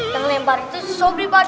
yang lempar itu sobri pak d